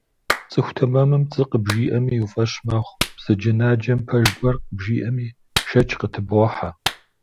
ЦӀыху тэмэмым пцӀы къыбжиӀэми уи фӀэщ мэхъу, бзаджэнаджэм пэж гуэр къыбжиӀэми, шэч къытыбохьэ.